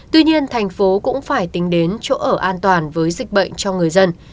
tuy nhiên tp thủ đức cũng phải tính đến chỗ ở an toàn với dịch bệnh cho người dân